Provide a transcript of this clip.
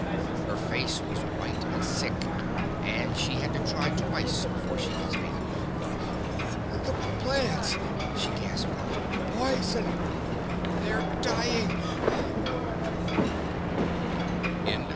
Her face was white and sick, and she had to try twice before she could speak. "The plants!" she gasped out. "Poison! They're dying!" III It was chromazone again.